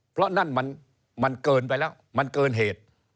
เพราะนั่นมันเกินไปแล้วมันเกินเหตุ